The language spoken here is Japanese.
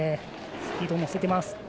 スピード乗せています。